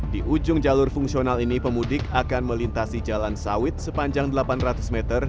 di ujung jalur fungsional ini pemudik akan melintasi jalan sawit sepanjang delapan ratus meter